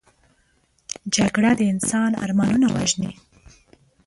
جګړه د انسان ارمانونه وژني